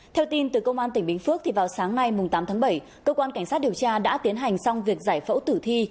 theo tin từ công an tỉnh bình phước vào sáng nay tám tháng bảy cơ quan cảnh sát điều tra đã tiến hành xong việc giải phẫu tử thi